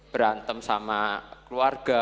berantem sama keluarga